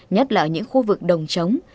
nhất là ở những khu vực đồng chống